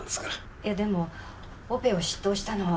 いやでもオペを執刀したのは。